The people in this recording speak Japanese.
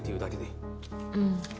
うん。